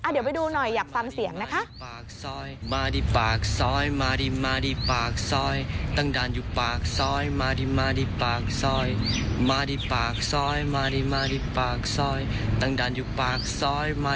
เดี๋ยวไปดูหน่อยอยากฟังเสียงนะคะ